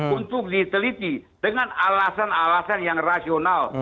untuk diteliti dengan alasan alasan yang rasional